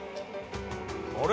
あれ？